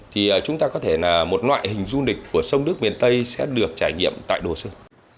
thì chúng ta có thể là một loại hình du lịch của sông đức miền tây sẽ được trải nghiệm tại đồ sơn